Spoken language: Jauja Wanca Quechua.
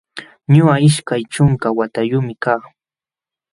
Ñuqa ishkay ćhunka watayuqmi kaa